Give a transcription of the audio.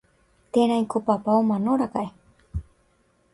térãiko papa omanoraka'e